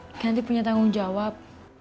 kiranti punya tanggung jawab